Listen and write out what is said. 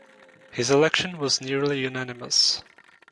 His election was nearly unanimous.